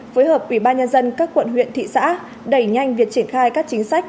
phối hợp ủy ban nhân dân các quận huyện thị xã đẩy nhanh việc triển khai các chính sách